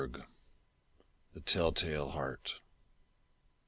THE TELL TALE HEART.